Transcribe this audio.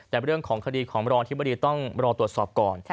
แต่เรื่องของคดีของรองอธิบดีต้องรอตรวจสอบก่อน